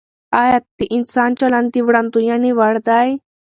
آیا د انسان چلند د وړاندوینې وړ دی؟